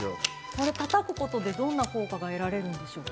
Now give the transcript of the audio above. これたたくことでどんな効果が得られるんでしょう。